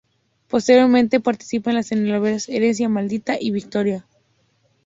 Posteriormente participa en la telenovelas "Herencia maldita" y Victoria.